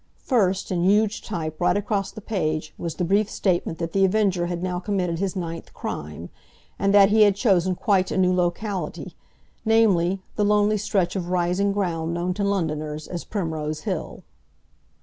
First, in huge type right across the page, was the brief statement that The Avenger had now committed his ninth crime, and that he had chosen quite a new locality, namely, the lonely stretch of rising ground known to Londoners as Primrose Hill.